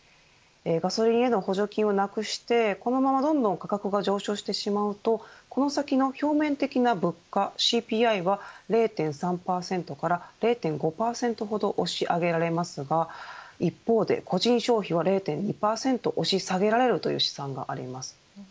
ガソリンへの補助金をなくしてこのままどんどん価格が上昇してしまうとこの先の表面的な物価ＣＰＩは０．３％から０．５％ほど押し上げられますが一方で、個人消費は０．２％押し下げられるという試算があります。